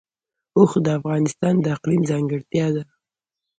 اوښ د افغانستان د اقلیم ځانګړتیا ده.